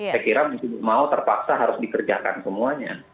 saya kira mau terpaksa harus dikerjakan semuanya